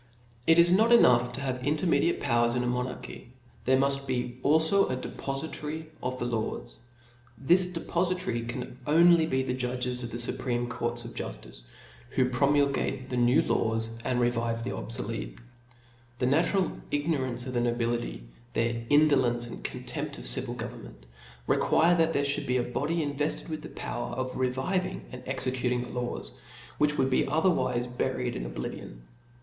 It is not enough to have intermediate powers in a monarchy , there muft be alfo a depofitary of the laws. This depofitary can only be the judges of the fupreme courts of juftice, whopromulge the new laws, and revive the obfolete. The natural ignorance of the nobility, their indolence, and con tempt of civil government, require there (hould be a body invefted with a power of reviving and exe cuting the laws, which would be otherwife buried in oblivion.